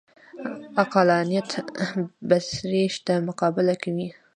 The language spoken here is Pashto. عقلانیت بڅري شته مقابله کوي